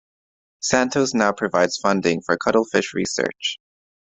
Santos now provides funding for cuttlefish research.